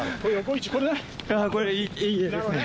ああこれいい画ですね。